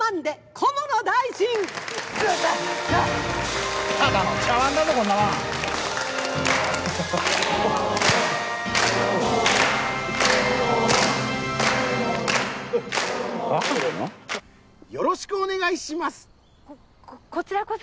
ここちらこそ。